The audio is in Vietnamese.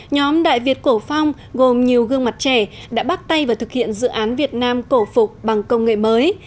nhóm đại việt cổ phong gồm nhiều gương mặt trẻ đã bắt tay vào thực hiện dự án việt nam cổ phục bằng công nghệ mới